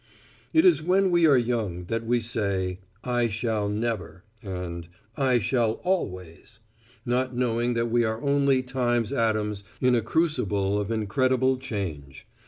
It is when we are young that we say, "I shall never," and "I shall always," not knowing that we are only time's atoms in a crucible of incredible change.